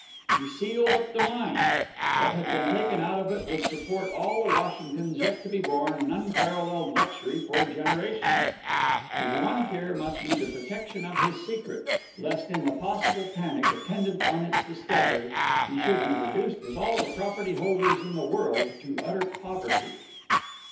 He sealed up the mine. What had been taken out of it would support all the Washingtons yet to be born in unparalleled luxury for generations. His one care must be the protection of his secret, lest in the possible panic attendant on its discovery he should be reduced with all the property holders in the world to utter poverty.